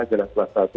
jalan kelas satu itu